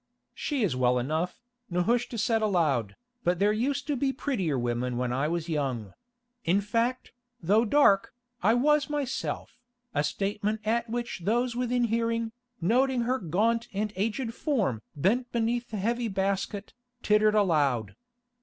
"She is well enough," Nehushta said aloud, "but there used to be prettier women when I was young; in fact, though dark, I was myself," a statement at which those within hearing, noting her gaunt and aged form bent beneath the heavy basket, tittered aloud.